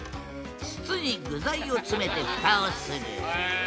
筒に具材を詰めてふたをするうわ！